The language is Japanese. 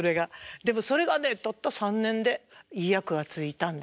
でもそれがねたった３年でいい役がついたんです。